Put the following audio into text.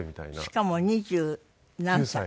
しかも二十何歳。